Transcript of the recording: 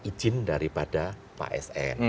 izin daripada pak sn